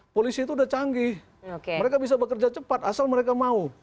polisi itu sudah canggih mereka bisa bekerja cepat asal mereka mau